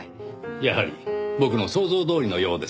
やはり僕の想像どおりのようですねぇ。